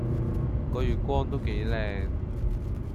個月光都幾靚